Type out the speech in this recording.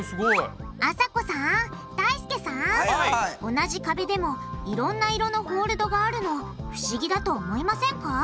同じ壁でもいろんな色のホールドがあるの不思議だと思いませんか？